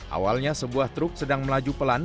awalnya sebuah truk sedang melaju pelan